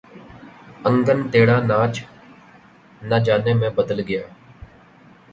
انگن ٹیڑھا ناچ نہ جانے میں بدل گیا